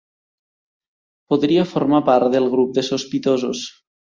Podria formar part del grup de sospitosos.